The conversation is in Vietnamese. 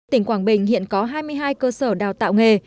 tỉnh quảng bình hiện có hai mươi hai cơ sở đào tạo nghề